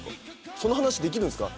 その話できるんすか？